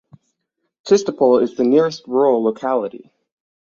Chistopol is the nearest rural locality.